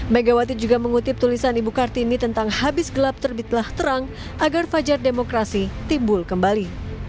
megawati juga mengutip tulisan ibu kartini tentang habis gelap terbitlah terang agar fajar demokrasi timbul kembali